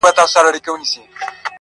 اوس نه منتر کوي اثر نه په مُلا سمېږي،